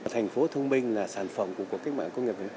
thành phố thông minh là sản phẩm của cuộc cách mạng công nghiệp bốn